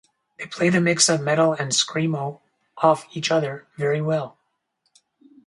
They play the mix of metal and screamo off each other very well.